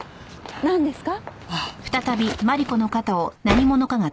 なんですか？